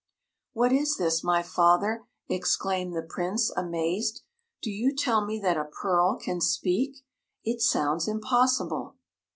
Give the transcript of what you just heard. "What is this, my father!" exclaimed the Prince, amazed; "do you tell me that a pearl can speak? It sounds impossible."